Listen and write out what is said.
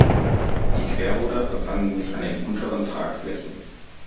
Die Querruder befanden sich an den unteren Tragflächen.